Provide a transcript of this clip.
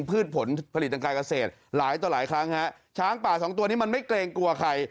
พืชผลผลิตทางการเกษตรหลายต่อหลายครั้งฮะช้างป่าสองตัวนี้มันไม่เกรงกลัวใคร